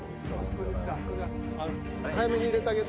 早めに入れてあげて。